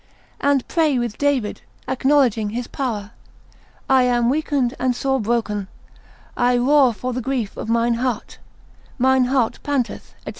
And pray with David, acknowledging his power, I am weakened and sore broken, I roar for the grief of mine heart, mine heart panteth, &c.